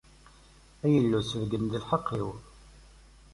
Ay Illu, sbeyyen-d lḥeqq-iw!